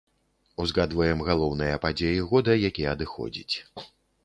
Узгадваем галоўныя падзеі года, які адыходзіць.